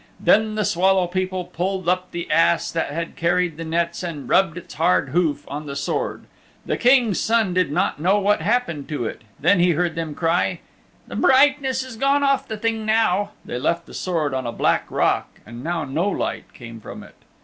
Then the Swallow People pulled up the ass that had carried the nets and rubbed its hard hoof on the Sword. The King's Son did not know what happened to it. Then he heard them cry, "The brightness is gone off the thing now." They left the Sword on a black rock, and now no light came from it.